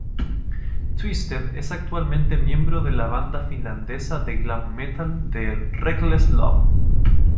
Twisted es actualmente miembro de la banda finlandesa de glam metal de Reckless Love.